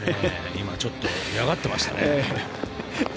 今、ちょっと嫌がってましたね。